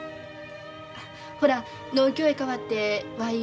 ほら農協へ変わってわい